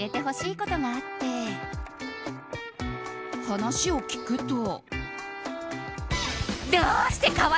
話を聞くと。